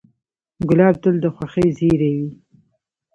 ګلاب تل د خوښۍ زېری وي.